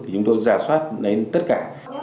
chúng tôi giả soát đến tất cả